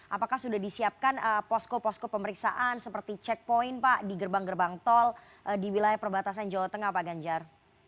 apakah sudah disiapkan posko posko pemeriksaan seperti checkpoint pak di gerbang gerbang tol di wilayah perbatasan jawa tengah pak ganjar